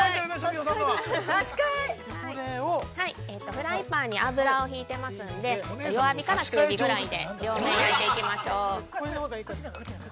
◆フライパンに油を引いていますんで弱火から中火ぐらいで両面焼いていきましょう。